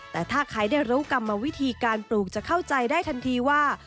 แต่ถ้าใครได้รู้กรรมวิธีการปลูกจะเข้าใจได้ทันทีว่า